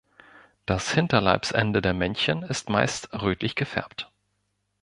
Das Hinterleibsende der Männchen ist meist rötlich gefärbt.